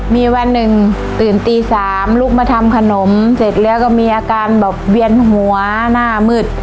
มีวันหนึ่งตื่นตี๓ลุกมาทำขนมเสร็จแล้วก็มีอาการแบบเวียนหัวหน้ามืด